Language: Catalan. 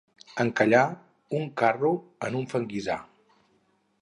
Encallar, un carro, en un fanguissar.